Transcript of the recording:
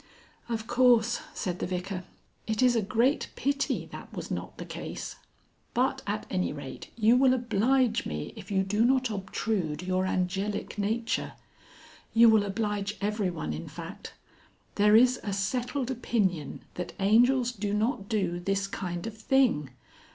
"Of course," said the Vicar. "It is a great pity that was not the case. But at anyrate you will oblige me if you do not obtrude your angelic nature. You will oblige everyone, in fact. There is a settled opinion that angels do not do this kind of thing.